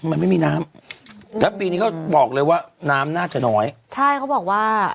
มันไม่มีน้ำแล้วปีนี้เขาบอกเลยว่าน้ำน่าจะน้อยใช่เขาบอกว่า